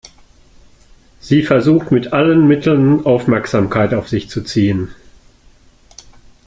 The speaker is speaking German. Sie versucht mit allen Mitteln, Aufmerksamkeit auf sich zu ziehen.